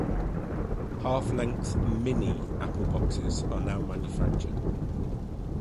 Half length "Mini" apple boxes are now manufactured.